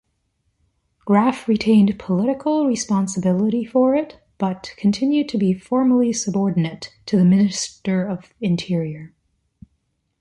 Graf retained political responsibility for it, but continued to be formally subordinate to the minister of interior.